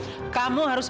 kamu harus berhati hati